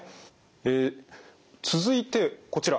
え続いてこちら。